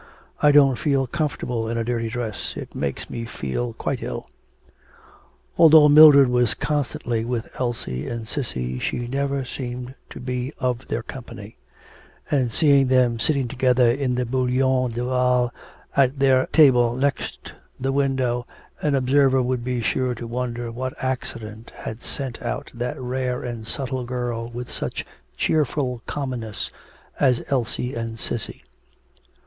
I don't feel comfortable in a dirty dress. It makes me feel quite ill.' Although Mildred was constantly with Elsie and Cissy she never seemed to be of their company; and seeing them sitting together in the Bouillon Duval, at their table next the window, an observer would be sure to wonder what accident had sent out that rare and subtle girl with such cheerful commonness as Elsie and Cissy.